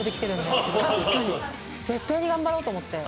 絶対に頑張ろうと思って。